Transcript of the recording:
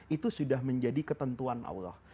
itu sudah menjadi ketentuan allah